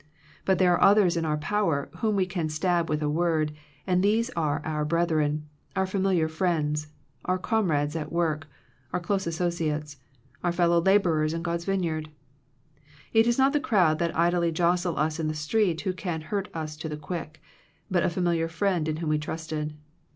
But there are others in our power, whom we can stab with a word, and these are our brethren, our familiar friends, our comrades at work, our close associates, our fellow laborers in God's vineyard. It is not the crowd that idly jostle us in the street who can hurt us to the quick, but a familiar friend in whom we trusted.